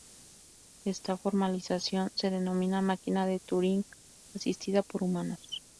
Esta formalización se denomina máquina de Turing asistida por humanos.